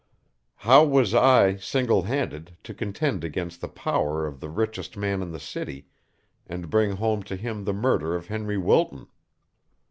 How was I, single handed, to contend against the power of the richest man in the city, and bring home to him the murder of Henry Wilton?